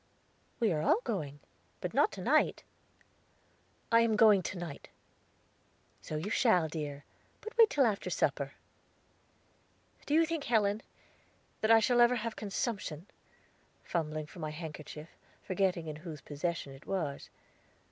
"We are all going; but not to night." "I am going to night." "So you shall, dear; but wait till after supper." "Do you think, Helen, that I shall ever have consumption?" fumbling for my handkerchief, forgetting in whose possession it was.